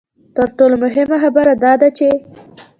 تر ټولو مهمه خبره دا ده چې.